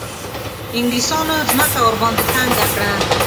انګلیسیانو مځکه ورباندې تنګه کړه.